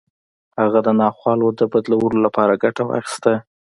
هغه د ناخوالو د بدلولو لپاره ګټه واخيسته.